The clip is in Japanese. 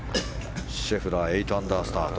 シェフラー８アンダースタート。